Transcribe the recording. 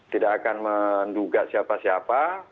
tidak akan menduga siapa siapa